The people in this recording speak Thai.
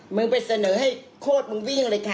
มึงไปเสนอให้โคตรมึงวิ่งเลยค่ะ